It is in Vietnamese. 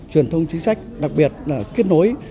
truyền thông chính sách đặc biệt là kết nối